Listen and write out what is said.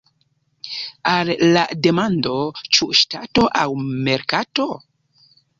Al la demando "Ĉu ŝtato aŭ merkato?